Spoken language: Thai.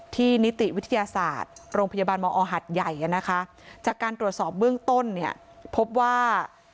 ที่นิติวิทยาศาสตร์โรงพยาบาลมอหัดใหญ่นะคะ